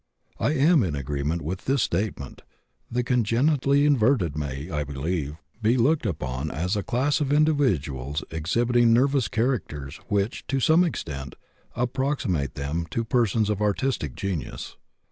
I am in agreement with this statement; the congenitally inverted may, I believe, be looked upon as a class of individuals exhibiting nervous characters which, to some extent, approximate them to persons of artistic genius.